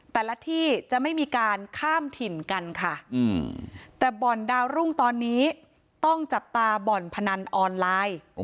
แต่ละที่จะไม่มีการข้ามถิ่นกันค่ะแต่บ่อนดาวรุ่งตอนนี้ต้องจับตาบ่อนพนันออนไลน์